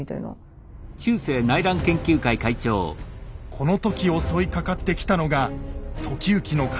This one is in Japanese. この時襲いかかってきたのが時行の敵